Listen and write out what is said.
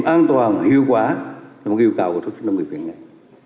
an toàn và hiệu quả trong yêu cầu của thuốc chất nông nghiệp việt nam